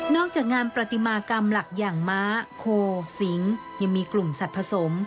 จากงานประติมากรรมหลักอย่างม้าโคสิงยังมีกลุ่มสัตว์ผสม